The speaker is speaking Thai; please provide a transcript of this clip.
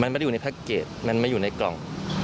มันไม่ได้อยู่ในแค็กเกจมันมาอยู่ในกล่อง